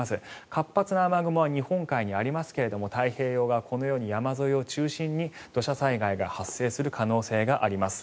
活発な雨雲は日本海にありますが太平洋側このように山沿いを中心に土砂災害が発生する可能性があります。